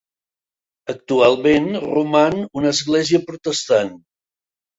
Actualment roman una església protestant.